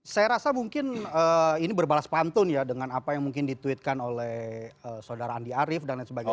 saya rasa mungkin ini berbalas pantun ya dengan apa yang mungkin dituitkan oleh saudara andi arief dan lain sebagainya